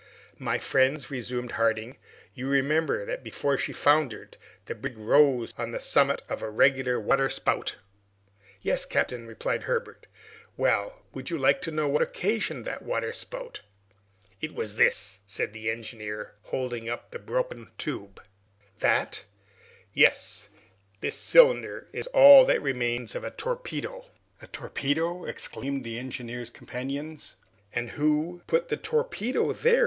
"My friends," resumed Harding, "you remember that before she foundered the brig rose on the summit of a regular waterspout?" "Yes, captain," replied Herbert. "Well, would you like to know what occasioned that waterspout? It was this," said the engineer, holding up the broken tube. "That?" returned Pencroft. "Yes! This cylinder is all that remains of a torpedo!" "A torpedo!" exclaimed the engineer's companions. "And who put the torpedo there?"